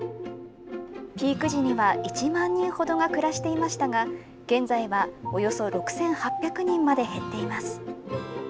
ピーク時には１万人ほどが暮らしていましたが、現在はおよそ６８００人まで減っています。